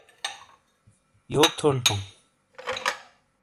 یوک تھونڈ تھَوں!